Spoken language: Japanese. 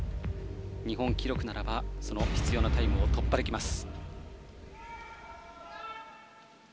日本記録ならば必要なタイムを突破できます。